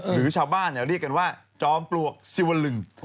หรือชาวบ้านเรียกกันว่าจอมปลวกสิวลึง